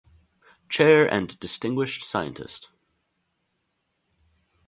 Chair and Distinguished Scientist.